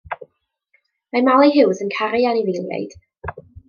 Mae Mali Huws yn caru anifeiliaid.